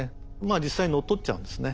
実際乗っ取っちゃうんですね。